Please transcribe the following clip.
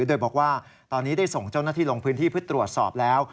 โดยบอกว่าตอนนี้ได้ส่งเจ้าหน้าที่ลงพื้นที่เพื่อตรวจสอบแล้ว